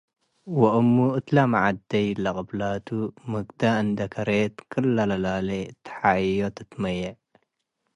ወእሙ' እት ለመዐደ'ይ ለቅብላቱ ምድገ እንዴ ከሬት ክለ' ለላሊ ተሓይዮ ትመዬት።